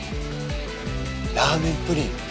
ラーメン・プリン。